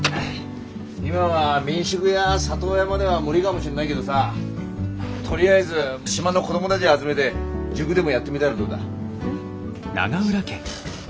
今は民宿や里親までは無理がもしんないげどさとりあえず島の子どもたぢ集めて塾でもやってみだらどうだ？え。